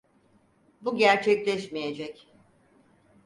Bu gerçekleşmeyecek.